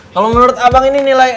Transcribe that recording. kalau menurut abang ini nilai